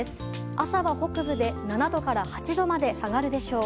朝は北部で７度から８度まで下がるでしょう。